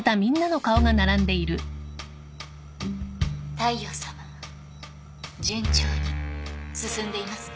大陽さま順調に進んでいますね。